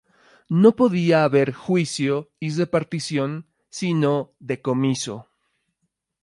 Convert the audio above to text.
No podía haber juicio y repartición sino decomiso.